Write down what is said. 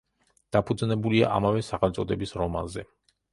დაფუძნებულია ამავე სახელწოდების რომანზე.